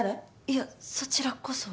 いやそちらこそ。